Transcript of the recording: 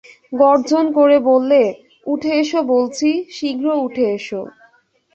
গর্জন করে বললে, উঠে এসো বলছি, শীঘ্র উঠে এসো।